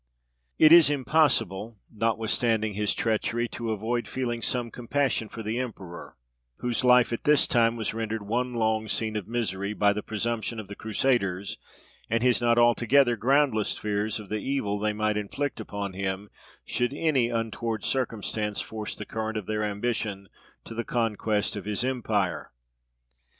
It is impossible, notwithstanding his treachery, to avoid feeling some compassion for the emperor, whose life at this time was rendered one long scene of misery by the presumption of the Crusaders, and his not altogether groundless fears of the evil they might inflict upon him, should any untoward circumstance force the current of their ambition to the conquest of his empire.